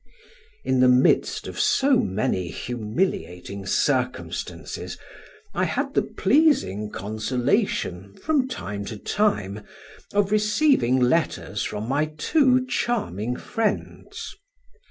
In the midst of so many humiliating circumstances, I had the pleasing consolation, from time to time, of receiving letters from my two charming friends.